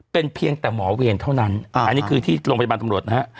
เป็นเพียงแต่หมอเวรเท่านั้นอันนี้คือที่โรงพยาบาลตำรวจนะฮะ